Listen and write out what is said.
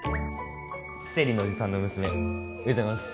生理のおじさんの娘おはようございます。